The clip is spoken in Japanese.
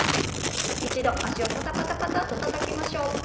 一度脚をパタパタパタッとたたきましょう。